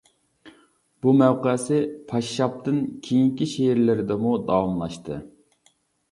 بۇ مەۋقەسى «پاششاپ» تىن كېيىنكى شېئىرلىرىدىمۇ داۋاملاشتى.